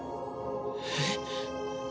えっ！？